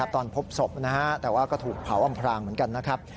ตอนพบศพแต่ว่าก็ถูกเผาอำพลางเหมือนกัน